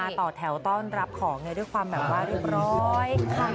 ต่อแถวต้อนรับของด้วยความว่าดีเปล่า